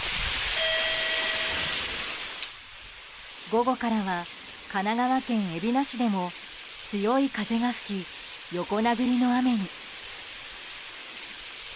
午後からは神奈川県海老名市でも強い風が吹き、横殴りの雨に。